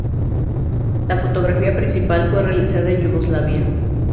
La fotografía principal fue realizada en Yugoslavia.